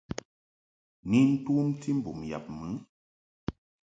Ni tomti mbum yab mɨ.